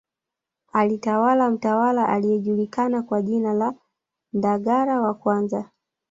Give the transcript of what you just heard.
Alitawala mtawala aliyejulikana kwa jina la Ndagara wa kwanza